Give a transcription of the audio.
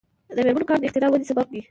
د میرمنو کار د اختراع ودې سبب دی.